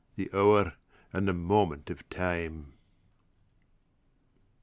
The hour and the moment o' time!